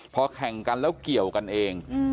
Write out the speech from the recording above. พอแข่งกันแล้วเกี่ยวกันเอง